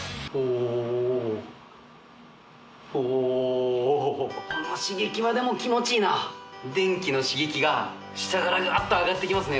この刺激はでも気持ちいいな電気の刺激が下からグワっと上がってきますね